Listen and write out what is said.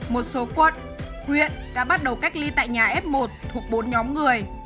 một số quận huyện đã bắt đầu cách ly tại nhà f một thuộc bốn nhóm người